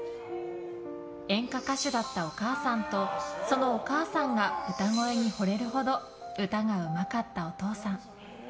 演歌歌手だったお母さんとそのお母さんが歌声にほれるほど歌がうまかったお父さん。